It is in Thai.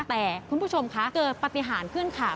แต่คุณผู้ชมคะเกิดปฏิหารขึ้นค่ะ